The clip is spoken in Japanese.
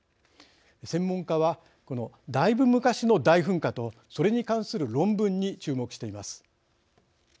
専門家は、だいぶ昔の大噴火とそれに関する論文に注目しています。